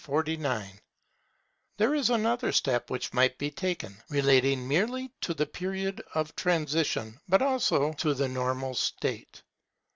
[Flag for the Western Republic] There is another step which might be taken, relating not merely to the period of transition, but also to the normal state.